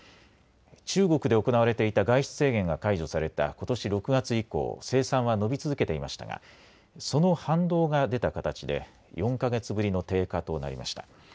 中国で行われていた外出制限が解除されたことし６月以降、生産は伸び続けていましたがその反動が出た形で４か月ぶりの低下となりました。